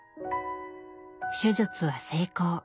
手術は成功。